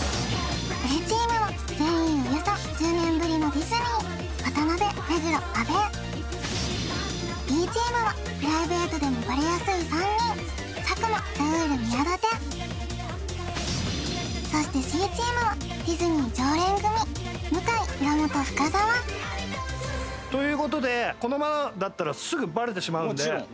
Ａチームは全員およそ１０年ぶりのディズニー渡辺目黒阿部Ｂチームはプライベートでもバレやすい３人佐久間ラウール宮舘そしてＣチームはディズニー常連組向井岩本深澤ということでお決まりのマジ？